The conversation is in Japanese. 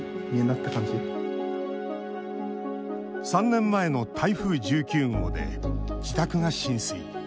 ３年前の台風１９号で自宅が浸水。